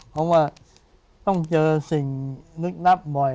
เพราะว่าต้องเจอสิ่งลึกลับบ่อย